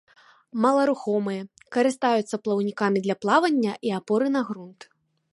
Маларухомыя, карыстаюцца плаўнікамі для плавання і апоры на грунт.